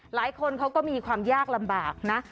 หลายคนเขาก็มีความยากลำบากนะ